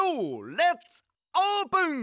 レッツオープン！